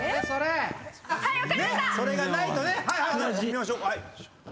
それがないとね！